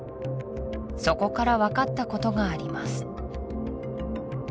そこから分かったことがあります